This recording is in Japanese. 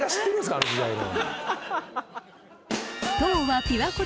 あの時代の。